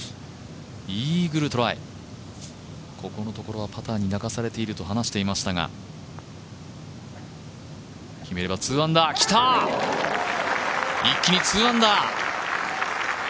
イーグルトライ、ここのところはパターに泣かされていると話していましたが、きた、一気に２アンダー。